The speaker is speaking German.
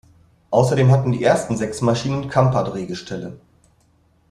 Außerdem hatten die ersten sechs Maschinen Kamper-Drehgestelle.